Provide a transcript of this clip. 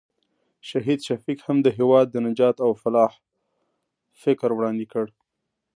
شهید شفیق هم د هېواد د نجات او فلاح فکر وړاندې کړ.